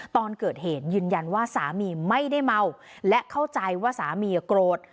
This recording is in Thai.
ตอนเกิดเหตุยืนยันว่าสามีไม่ได้เมาและเข้าใจว่าสามีโกรธ